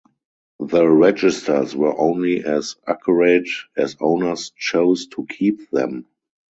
The Registers were only as accurate as owners chose to keep them.